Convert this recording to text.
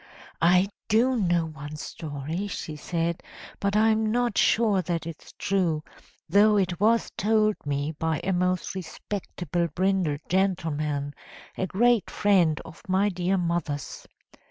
"I do know one story," she said; "but I'm not sure that it's true, though it was told me by a most respectable brindled gentleman, a great friend of my dear mother's.